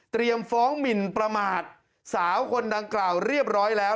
ฟ้องหมินประมาทสาวคนดังกล่าวเรียบร้อยแล้ว